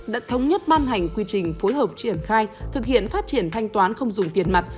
đã thống nhất ban hành quy trình phối hợp triển khai thực hiện phát triển thanh toán không dùng tiền mặt